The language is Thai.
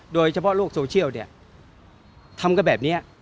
โดยเฉพาะโลกโซเชียลเนี่ยทำกันแบบนี้